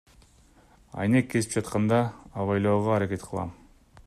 Айнек кесип жатканда абайлоого аракет кылам.